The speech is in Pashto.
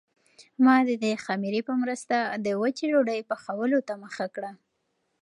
زه د دې خمیرې په مرسته وچې ډوډۍ پخولو ته مخه کړه.